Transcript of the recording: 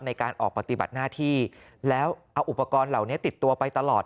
ในการออกปฏิบัติหน้าที่แล้วเอาอุปกรณ์เหล่านี้ติดตัวไปตลอด